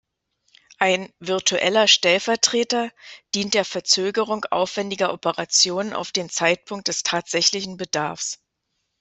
Ein "virtueller Stellvertreter" dient der Verzögerung aufwändiger Operationen auf den Zeitpunkt des tatsächlichen Bedarfs.